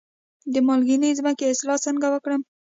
د مالګینې ځمکې اصلاح څنګه وکړم؟